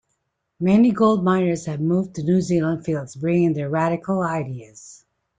Many gold miners had moved to the New Zealand fields bringing their radical ideas.